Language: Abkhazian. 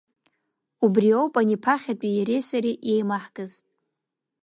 Убри ауп ани ԥахьатәи иареи сареи еимаҳкыз.